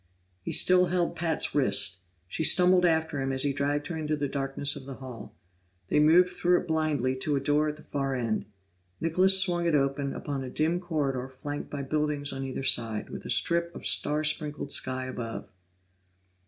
He still held Pat's wrist; she stumbled after him as he dragged her into the darkness of the hall. They moved through it blindly to a door at the far end; Nicholas swung it open upon a dim corridor flanked by buildings on either side, with a strip of star sprinkled sky above.